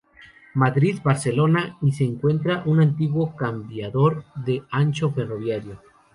Madrid-Barcelona y se encuentra un antiguo cambiador de ancho ferroviario.